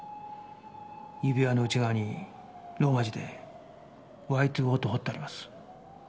指輪の内側にローマ字で「ＹｔｏＯ」と彫ってあります。